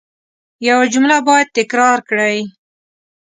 یو جمله باید تکرار کړئ.